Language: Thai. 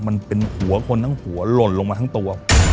มันเป็นหัวคนทั้งหัวหล่นลงมาทั้งตัว